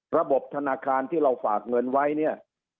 ระบบธนาคารที่เราฝากเงินไว้เนี่ย